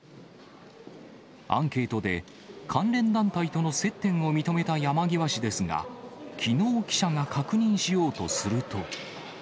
アンケートで、関連団体との接点を認めた山際氏ですが、きのう、記者が確認しようとすると。